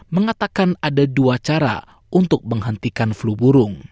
mengatakan ada dua cara untuk menghentikan flu burung